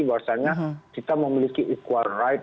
bahwasannya kita memiliki equal right